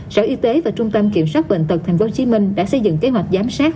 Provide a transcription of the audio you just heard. sở y tế và trung tâm kiểm soát bệnh tật tp hcm đã xây dựng kế hoạch giám sát